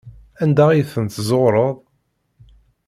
Anda ay ten-tezzuɣreḍ?